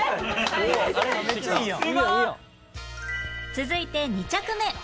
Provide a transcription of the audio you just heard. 続いて２着目